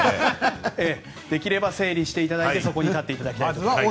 できれば整理していただいてそこに立っていただきたい。